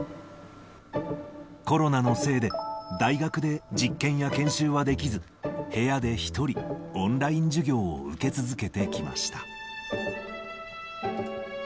コロナのせいで、大学で実験や研修はできず、部屋で１人、オンライン授業を受け続けてきました。